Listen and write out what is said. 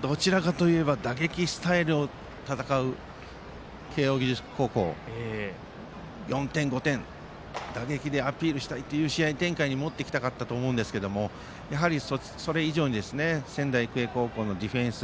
どちらかといえば打撃スタイルで戦う慶応義塾高校なので４点、５点打撃でアピールしたいという試合展開に持っていきたかったと思いますがやはり、それ以上に仙台育英高校のディフェンス。